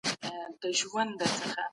اقتصاد پوهانو د بازار د وضعیت څارنه کړي وه.